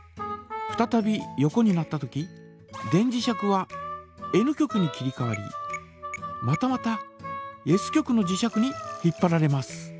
ふたたび横になったとき電磁石はＮ極に切りかわりまたまたＳ極の磁石に引っぱられます。